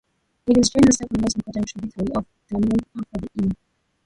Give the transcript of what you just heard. It is Germany's second most important tributary of the Danube after the Inn.